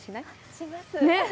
します。